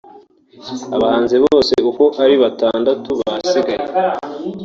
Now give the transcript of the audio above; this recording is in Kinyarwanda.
abahanzi bose uko ari batatu basigaye